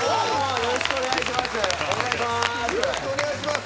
よろしくお願いします。